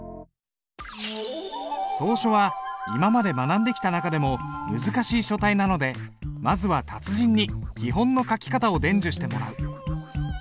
草書は今まで学んできた中でも難しい書体なのでまずは達人に基本の書き方を伝授してもらう。